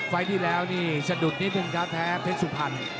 ไฟล์ที่แล้วนี่สะดุดนิดนึงครับแพ้เพชรสุพรรณ